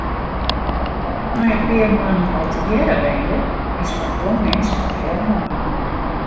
Nei in pear moannen al tegearre wenje is foar guon minsken heel normaal.